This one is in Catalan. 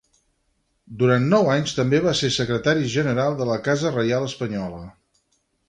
Durant nou anys també va ser secretari general de la casa reial espanyola.